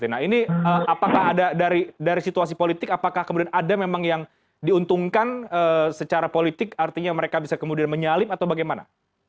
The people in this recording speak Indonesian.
nah ini apakah ada dari situasi politik apakah kemudian ada memang yang diuntungkan secara politik artinya mereka bisa kemudian menyalip atau bagaimana